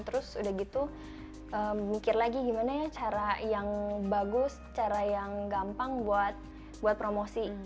terus udah gitu mikir lagi gimana ya cara yang bagus cara yang gampang buat promosi